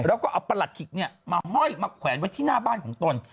แล้วก็เอาประหลัดขิกมาห้อยมาแขวนไว้ที่หน้าบ้านของตน